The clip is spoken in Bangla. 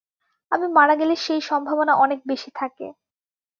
আমি মারা গেলে সেই সম্ভাবনা অনেক বেশি থাকে।